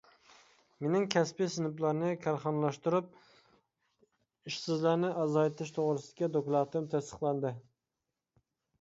مېنىڭ كەسپى سىنىپلارنى كارخانىلاشتۇرۇپ، ئىشسىزلارنى ئازايتىش توغرىسىدىكى دوكلاتىم تەستىقلاندى.